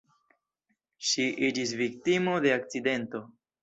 Ŝi iĝis viktimo de akcidento.